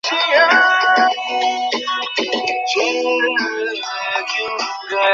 আমি গোপনীয়তার শপথকৃত।